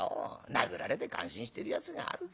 殴られて感心してるやつがあるか。